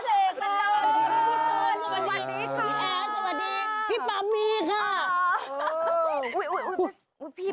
สวัสดีพี่แอลล์สวัสดีพี่ปั๊มมี่ค่ะ